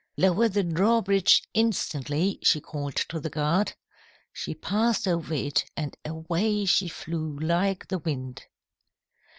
"'Lower the drawbridge instantly,' she called to the guard. She passed over it, and away she flew like the wind.